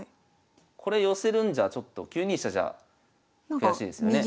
これ寄せるんじゃちょっと９二飛車じゃ悔しいですよね。